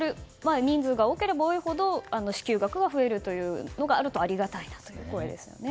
人数が多ければ多いほど支給額が増えるというのがあるとありがたいなという声ですね。